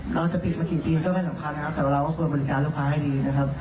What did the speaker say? เราจะปิดมากี่ปีมันก็ไม่สำคัญนะครับแต่ว่าเราก็ควรบริการลูกค้าให้ดีนะครับ